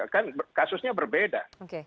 kan kasusnya berbeda